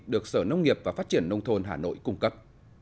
được sở nông nghiệp và phát triển nông thôn hà nội cung cấp